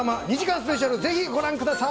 スペシャル、ぜひご覧ください。